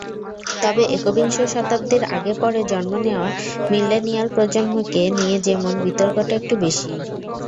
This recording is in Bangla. তবে একবিংশ শতাব্দীর আগে-পরে জন্ম নেওয়া মিলেনিয়াল প্রজন্মকে নিয়ে যেমন বিতর্কটা একটু বেশিই।